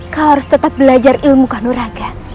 kau harus tetap belajar ilmu kahnuraga